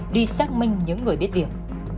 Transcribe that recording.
đi xác minh những người biết việc